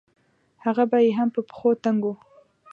هغه به يې هم په پښو تنګ وو.